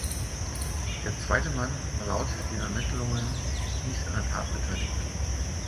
Der zweite Mann war laut den Ermittlungen nicht an der Tat beteiligt.